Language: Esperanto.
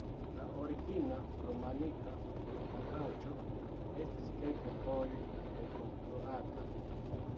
La origina romanika konstruaĵo estis kelkfoje rekonstruata.